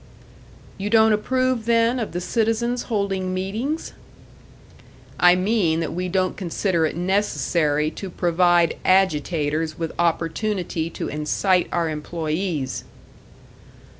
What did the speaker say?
"You don't approve, then, of the citizens holding meetings?" "I mean that we don't consider it necessary to provide agitators with opportunity to incite our employés."